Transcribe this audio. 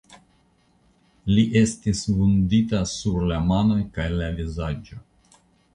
Li estis vundita sur la manoj kaj la vizaĝo.